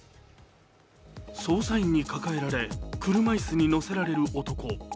捜査員に抱えられ車椅子に乗せられる男。